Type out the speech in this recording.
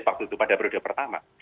waktu itu pada periode pertama